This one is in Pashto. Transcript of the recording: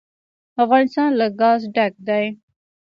افغانستان له ګاز ډک دی.